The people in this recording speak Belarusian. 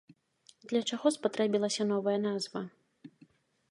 Для чаго спатрэбілася новая назва?